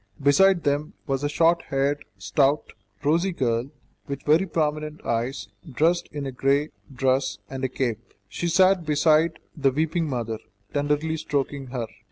Beside them was a short haired, stout, rosy girl, with very prominent eyes, dressed in a grey dress and a cape; she sat beside the weeping mother, tenderly stroking her.